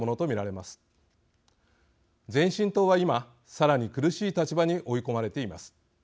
前進党は今さらに苦しい立場に追い込まれています。